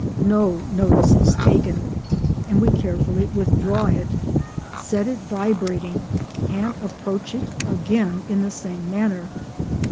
No notice is taken, and we carefully withdraw it, set it vibrating, and approach it again in the same manner.